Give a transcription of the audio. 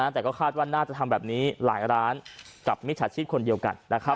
แต่ก็คาดว่าน่าจะทำแบบนี้หลายร้านกับมิจฉาชีพคนเดียวกัน